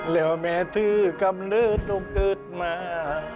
แล้วแม่ถือกำเลิศต้องเกิดมา